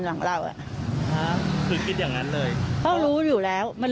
ใช่ค่ะถ่ายรูปส่งให้พี่ดูไหม